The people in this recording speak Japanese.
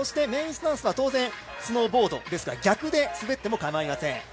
そしてメインスタンスは当然、スノーボードですから逆に滑ってもかまいません。